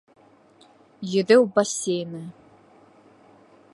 Йөҙөү бассейны